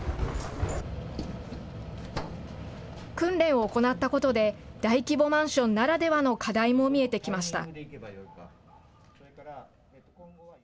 訓練を行ったことで、大規模マンションならではの課題も見えてきました。